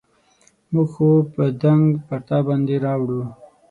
موږ خو به تنګ پر تا باندې راوړو.